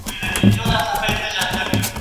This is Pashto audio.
د مور نس بوخچه ده.